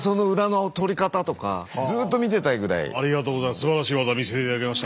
すばらしい技見せて頂きました。